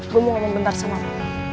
gue mau ngomong bentar sama kamu